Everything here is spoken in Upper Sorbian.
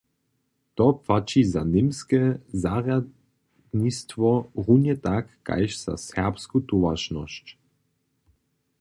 To płaći za němske zarjadnistwo runje tak kaž za serbsku towaršnosć.